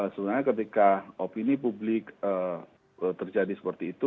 sebenarnya ketika opini publik terjadi seperti itu